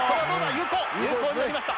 有効になりました。